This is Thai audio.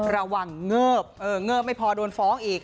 ระวังเงิบไม่พอโดนฟ้องอีก